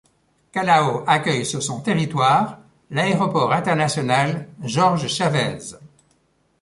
Callao accueille sur son territoire l'aéroport international Jorge Chávez.